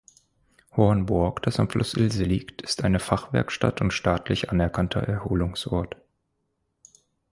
Hornburg, das am Fluss Ilse liegt, ist eine Fachwerkstadt und staatlich anerkannter Erholungsort.